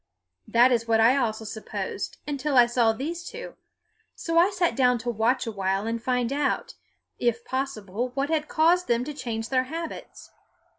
That is what I also supposed until I saw these two; so I sat down to watch a while and find out, if possible, what had caused them to change their habits.